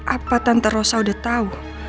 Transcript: apa tante rosa udah tau